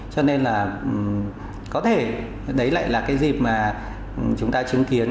cho nên là có thể đấy lại là cái dịp mà chúng ta chứng kiến